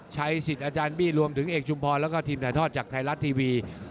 ชัยสิทธิ์อาจารย์บี้รวมถึงเอกชุมพรแล้วก็ทีมถ่ายทอดจากไทยรัฐทีวี